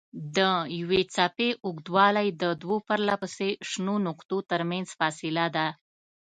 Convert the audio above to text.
د یوې څپې اوږدوالی د دوو پرلهپسې شنو نقطو ترمنځ فاصله ده.